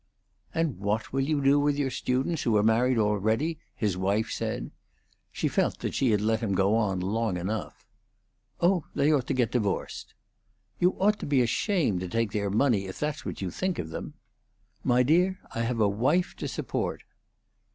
"And what will you do with your students who are married already?" his wife said. She felt that she had let him go on long enough. "Oh, they ought to get divorced." "You ought to be ashamed to take their money if that's what you think of them." "My dear, I have a wife to support."